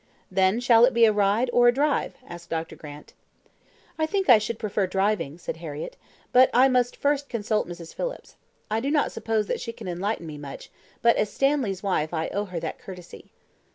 "Then, shall it be a ride or a drive?" asked Dr. Grant. "I think I should prefer driving," said Harriett; "but I must first consult Mrs. Phillips. I do not suppose that she can enlighten me much, but as Stanley's wife I owe her that courtesy."